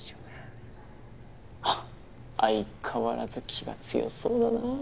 ハッ相変わらず気が強そうだなあ。